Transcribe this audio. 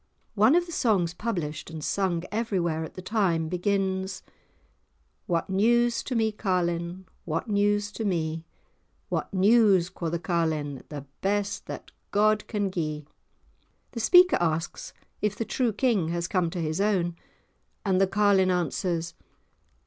One of the songs published and sung everywhere at the time, begins:— "What news to me, carlin'? What news to me?" "What news!" quo' the carlin', The best that God can gie." The speaker asks if the true king has come to his own, and the carlin' answers.